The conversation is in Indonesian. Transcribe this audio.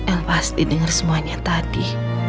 el pasti dengar semuanya tadi